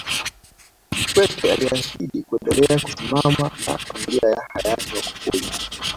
Kikwete aliahidi kuendelea kusimama na familia ya Hayati Magufuli